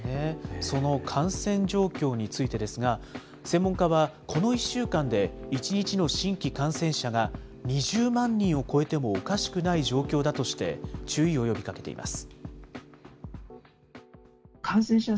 その感染状況についてですが、専門家はこの１週間で１日の新規感染者が２０万人を超えてもおかしくない状況だとして、注意を呼びかけています。